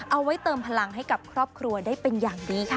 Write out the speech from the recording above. เอาไว้เติมพลังให้กับครอบครัวได้เป็นอย่างดีค่ะ